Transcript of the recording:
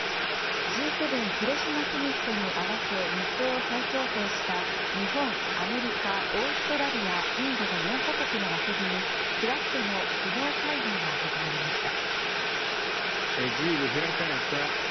Ｇ７広島サミットに合わせ日程を再調整した日本、アメリカオーストラリア、インドの４か国の枠組み、クアッドの首脳会合が始まりました。